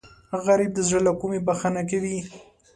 غریب د زړه له کومې بښنه کوي